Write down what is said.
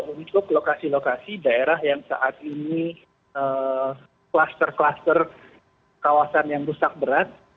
untuk lokasi lokasi daerah yang saat ini kluster kluster kawasan yang rusak berat